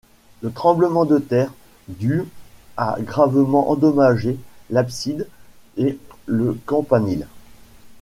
Le tremblement de terre du a gravement endommagé l'abside et le campanile.